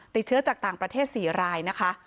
ติดเชื้อจากต่างประเทศ๔รายนะคะ